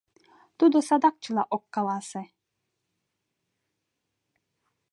Тудо садак чыла ок каласе.